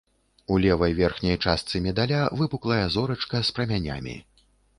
У левай верхняй частцы медаля выпуклая зорачка з прамянямі.